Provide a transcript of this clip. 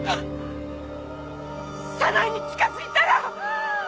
早苗に近づいたら！